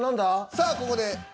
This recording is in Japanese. さあここでえっ？